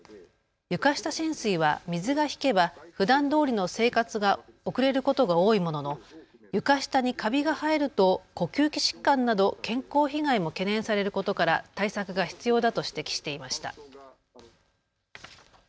床下浸水は水が引けばふだんどおりの生活が送れることが多いものの床下にかびが生えると呼吸器疾患など健康被害も懸念されることから対策が必要だと指摘していました。